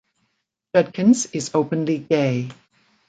Judkins is openly gay.